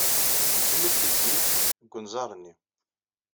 Ikemmel tiddit deg unẓar-nni.